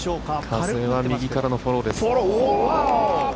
風は右からのフォローです。